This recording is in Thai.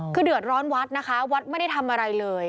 คือเดือดร้อนวัดนะคะวัดไม่ได้ทำอะไรเลย